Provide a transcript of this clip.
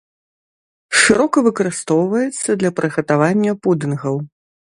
Шырока выкарыстоўваецца для прыгатавання пудынгаў.